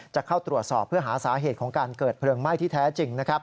จะเข้าตรวจสอบเพื่อหาสาเหตุของการเกิดเพลิงไหม้ที่แท้จริง